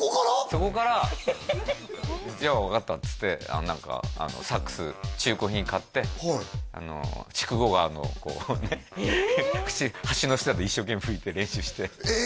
そこから「じゃあ分かった」っつって何かサックス中古品買って筑後川のこうね橋の下で一生懸命吹いて練習してえ！